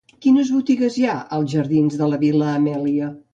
Quines botigues hi ha als jardins de la Vil·la Amèlia?